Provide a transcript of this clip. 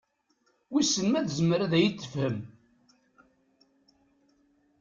Wissen ma tezmer ad iyi-d-tefhem?